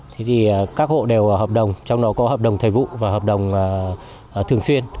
thế thì các hộ đều hợp đồng trong đó có hợp đồng thời vụ và hợp đồng thường xuyên